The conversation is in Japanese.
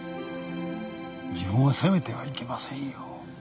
自分を責めてはいけませんよ。